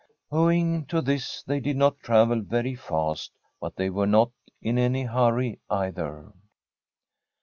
Owing to this they did not travel very fast, but they were not in any hurry either.